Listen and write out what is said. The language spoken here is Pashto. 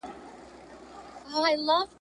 چا نارې وهلې چا ورته ژړله ..